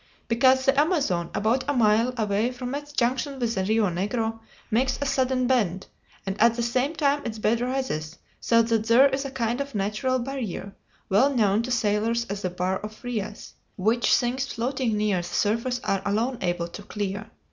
"Because the Amazon, about a mile away from its junction with the Rio Negro, makes a sudden bend, and at the same time its bed rises, so that there is a kind of natural barrier, well known to sailors as the Bar of Frias, which things floating near the surface are alone able to clear.